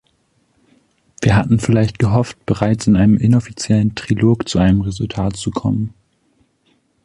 Wir hatten vielleicht gehofft, bereits in einem inoffiziellen Trilog zu einem Resultat zu kommen.